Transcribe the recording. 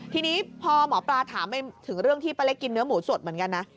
ทีนี้พอหมอปลาถามไปถึงเรื่องที่ป้าเล็กกินเนื้อหมูสดเหมือนกันนะ